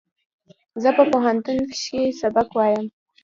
زه په پوهنتون کښې سبق وایم